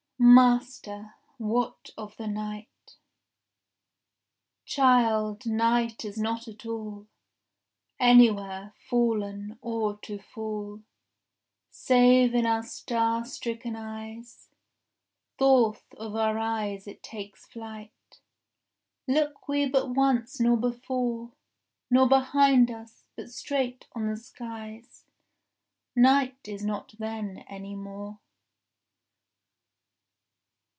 7 Master, what of the night?— Child, night is not at all Anywhere, fallen or to fall, Save in our star stricken eyes. Forth of our eyes it takes flight, Look we but once nor before Nor behind us, but straight on the skies; Night is not then any more.